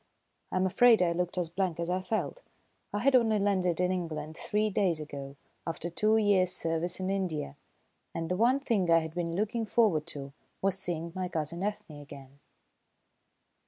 I am afraid I looked as blank as I felt. I had only landed in England three days ago, after two years' service in India, and the one thing I had been looking forward to was seeing my cousin Ethne again.